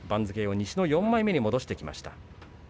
西の４枚目に戻してきました。